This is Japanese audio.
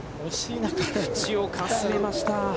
縁をかすめました。